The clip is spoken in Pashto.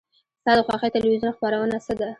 ستا د خوښې تلویزیون خپرونه څه ده؟